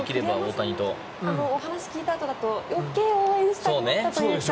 栗山さんのお話を聞いたあとだと余計応援したくなったというか。